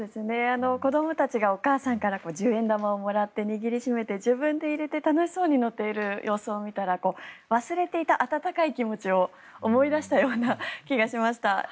子どもたちがお母さんから十円玉をもらって握りしめて、自分で入れて楽しそうに乗っている様子を見たら忘れていた温かい気持ちを思い出したような気がしました。